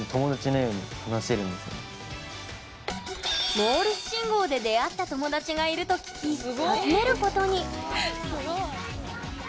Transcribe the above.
モールス信号で出会った友だちがいると聞き訪ねることに。